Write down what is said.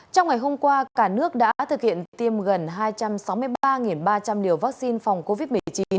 trong ngày hôm qua cả nước đã thực hiện tiêm gần hai trăm sáu mươi ba ba trăm linh liều vaccine phòng covid một mươi chín